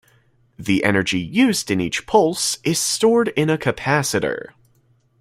The energy used in each pulse is stored in a capacitor.